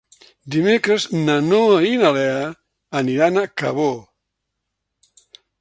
Dimecres na Noa i na Lea aniran a Cabó.